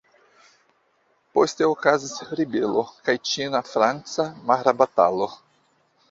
Poste okazis ribelo kaj ĉina-franca mara batalo.